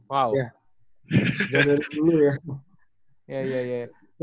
ya dari dulu ya